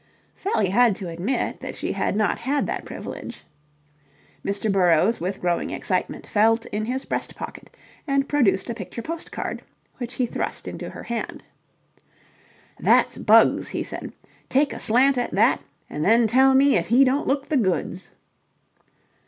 Sally had to admit that she had not had that privilege. Mr. Burrowes with growing excitement felt in his breast pocket and produced a picture postcard, which he thrust into her hand. "That's Bugs," he said. "Take a slant at that and then tell me if he don't look the goods."